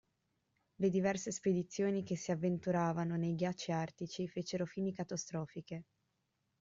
Le diverse spedizioni che si avventuravano nei ghiacci artici fecero fini catastrofiche.